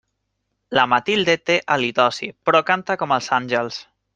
La Matilde té halitosi, però canta com els àngels.